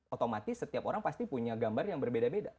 otomatis setiap orang pasti punya gambar yang berbeda beda